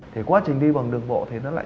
thì quá trình đi bằng đường bộ thì nó lại